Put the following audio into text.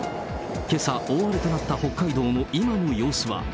けさ、大荒れとなった北海道の今の様子は？